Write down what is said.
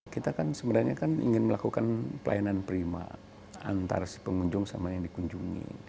kita kan sebenarnya ingin melakukan pelayanan prima antar si pengunjung sama yang dikunjungi